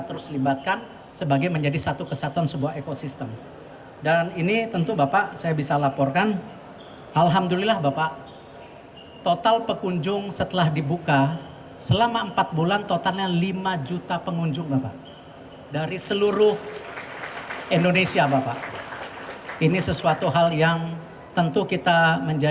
perajin kita seni budaya